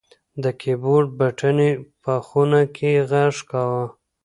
د کیبورډ بټنې په خونه کې غږ کاوه.